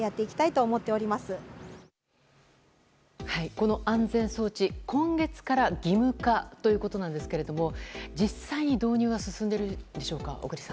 この安全装置、今月から義務化ということなんですけども実際に導入は進んでいるんでしょうか。